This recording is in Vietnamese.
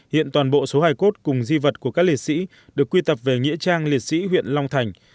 hiện toàn bộ số hài cốt cùng di vật của các liệt sĩ được quy tập về nghĩa trang liệt sĩ huyện long thành